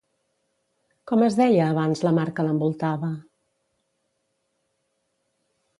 Com es deia abans la mar que l'envoltava?